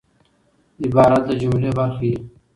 عبارت د جملې برخه يي.